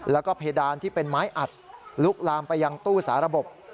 แล้วก็เพดานที่เป็นไม้อัดลุกลามไปยังตู้สาระบบ